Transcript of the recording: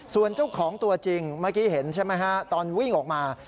ส่วนเจ้าของตัวจริงเมื่อกี้เห็นใช่ไหมฮะตอนวิ่งออกมา